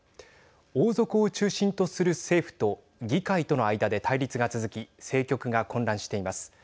王族を中心とする政府と議会との間で対立が続き政局が混乱しています。